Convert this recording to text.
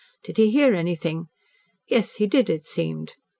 Did he hear anything? Yes, he did, it seemed.